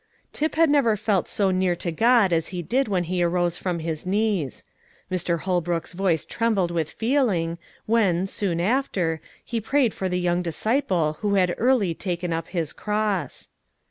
Tip had never felt so near to God as he did when he arose from his knees. Mr. Holbrook's voice trembled with feeling, when, soon after, he prayed for the young disciple who had early taken up his cross.